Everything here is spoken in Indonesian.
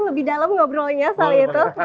lebih dalam ngobrolnya soal itu